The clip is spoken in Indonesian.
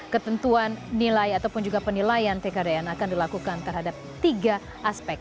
ketentuan nilai ataupun juga penilaian tkdn akan dilakukan terhadap tiga aspek